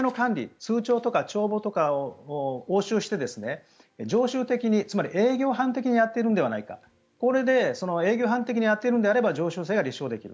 通帳とか帳簿とかを押収して常習的につまり営業犯的にやっているのではないかこれで営業犯的にやっているのであれば常習性が立証できる。